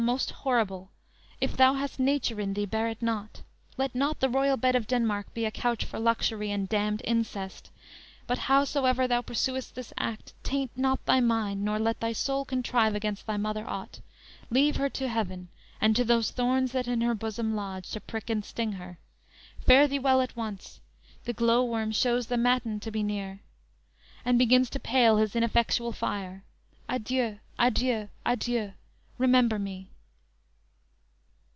most horrible! If thou hast nature in thee, bear it not; Let not the royal bed of Denmark be A couch for luxury and damned incest. But, howsoever, thou pursuest this act, Taint not thy mind, nor let thy soul contrive Against thy mother aught; leave her to heaven, And to those thorns that in her bosom lodge, To prick and sting her. Fare thee well at once! The glow worm shows the matin to be near, And begins to pale his ineffectual fire! Adieu! adieu! adieu! remember me!"